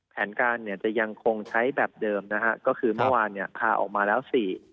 แผนการเนี่ยจะยังคงใช้แบบเดิมนะฮะก็คือเมื่อวานเนี่ยพาออกมาแล้วสี่